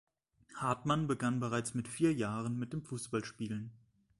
Hartmann begann bereits mit vier Jahren mit dem Fußballspielen.